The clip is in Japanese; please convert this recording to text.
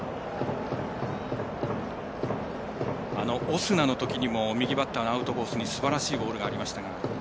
オスナのときにも右バッターのアウトコースにすばらしいボールがありましたが。